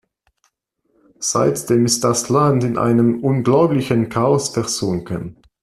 Seitdem ist das Land in einem unglaublichen Chaos versunken.